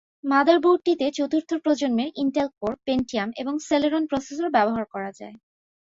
মাদারবোর্ডটিতে চতুর্থ প্রজন্মের Intel Core, Pentium এবং সেলেরন প্রসেসর ব্যবহার করা যায়।